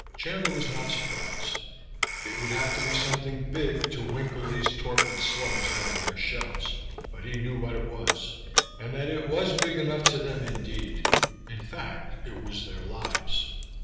Chandler was not surprised. It would have to be something big to winkle these torpid slugs out of their shells, but he knew what it was, and that it was big enough to them indeed; in fact, it was their lives.